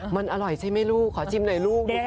มันอร่อยใช่ไหมลูกขอชิมหน่อยลูก